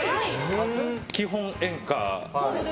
基本、演歌。